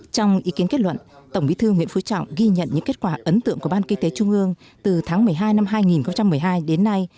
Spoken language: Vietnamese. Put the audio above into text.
trong ý kiến kết luận tổng bí thư nguyễn phú trọng ghi nhận những kết quả ấn tượng của ban kinh tế trung ương từ tháng một mươi hai năm hai nghìn một mươi hai đến nay